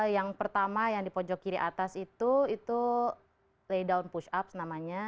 yang pertama yang di pojok kiri atas itu lay down push up namanya